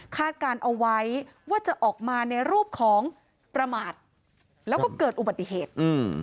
การเอาไว้ว่าจะออกมาในรูปของประมาทแล้วก็เกิดอุบัติเหตุ